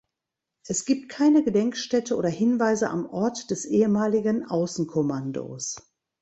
Es gibt keine Gedenkstätte oder Hinweise am Ort des ehemaligen Außenkommandos.